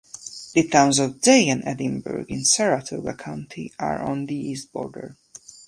The Towns of Day and Edinburg in Saratoga County are on the east border.